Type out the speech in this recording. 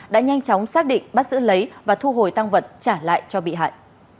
đã nhanh chóng xác định bắt giữ lấy và thu hồi tăng vật trả lại cho bị hại